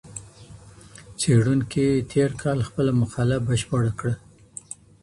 څېړونکي تېر کال خپله مقاله بشپړه کړه.